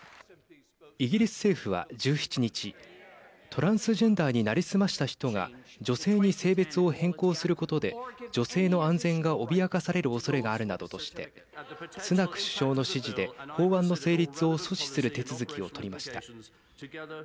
イギリス政府は１７日トランスジェンダーに成り済ました人が女性に性別を変更することで女性の安全が脅かされるおそれがあるなどとしてスナク首相の指示で法案の成立を阻止する手続きを取りました。